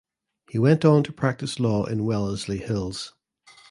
He went on to practice law in Wellesley Hills.